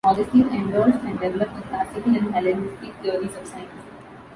Augustine endorsed and developed the classical and Hellenistic theories of signs.